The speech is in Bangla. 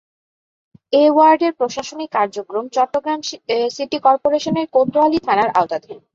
এ ওয়ার্ডের প্রশাসনিক কার্যক্রম চট্টগ্রাম সিটি কর্পোরেশনের কোতোয়ালী থানার আওতাধীন।